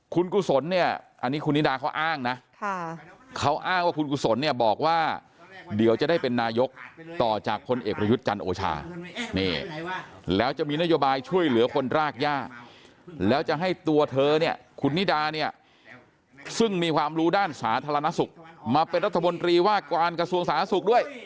คุณกุศลเนี่ยอันนี้คุณนิดาเขาอ้างนะเขาอ้างว่าคุณกุศลเนี่ยบอกว่าเดี๋ยวจะได้เป็นนายกต่อจากพลเอกประยุทธ์จันทร์โอชานี่แล้วจะมีนโยบายช่วยเหลือคนรากย่าแล้วจะให้ตัวเธอเนี่ยคุณนิดาเนี่ยซึ่งมีความรู้ด้านสาธารณสุขมาเป็นรัฐมนตรีว่าการกระทรวงสาธารณสุขด้วย